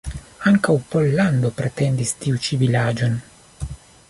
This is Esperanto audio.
Ankaŭ Pollando pretendis tiu ĉi vilaĝon.